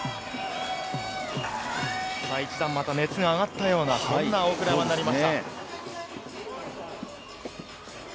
一段とまた熱が上がったような大倉山になりました。